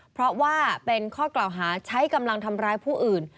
เพราะว่าเป็นข้อกล่าวหาใช้กำลังทำร้ายผู้อื่น